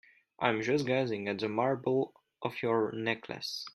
I'm just gazing at the marble of your necklace.